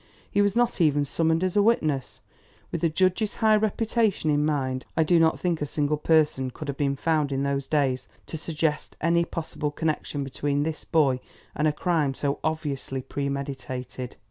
He was not even summoned as a witness. With the judge's high reputation in mind I do not think a single person could have been found in those days to suggest any possible connection between this boy and a crime so obviously premeditated.